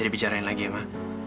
sebenernya ada apa sih